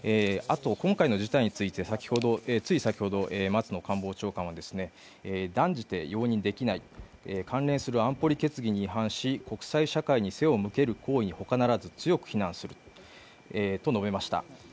今回の事態について、つい先ほど、松野官房長官は断じて容認できない、関連する安保理決議に違反し、国際社会に背を向ける行為に他ならず強く非難すると述べました。